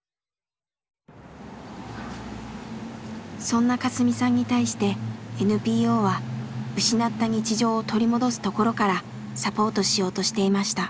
そんなカスミさんに対してＮＰＯは失った日常を取り戻すところからサポートしようとしていました。